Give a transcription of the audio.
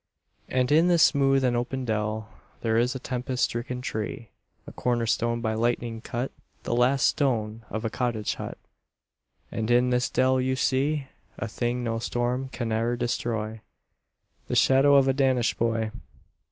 And in this smooth and open dell There is a tempest stricken tree; A corner stone by lightning cut, The last stone of a cottage hut; And in this dell you see A thing no storm can e'er destroy, The shadow of a Danish Boy.